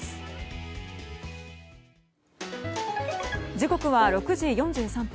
時刻は６時４３分。